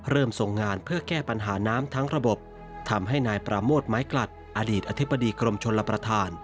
ส่งงานเพื่อแก้ปัญหาน้ำทั้งระบบทำให้นายปราโมทไม้กลัดอดีตอธิบดีกรมชนรับประทาน